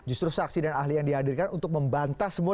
justru saksi dan ahli yang dihadirkan untuk membantah semua